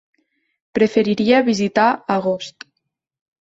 Preferiria visitar Agost.